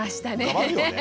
変わるよね。